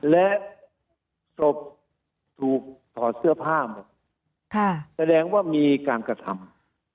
และศพถูกถอดเสื้อผ้าหมดแสดงว่ามีการกระทำ